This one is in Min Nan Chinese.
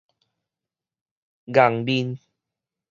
愣面